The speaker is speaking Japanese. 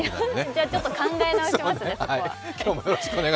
じゃちょっと考え直しますね、そこは。